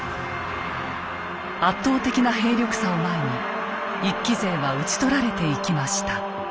圧倒的な兵力差を前に一揆勢は討ち取られていきました。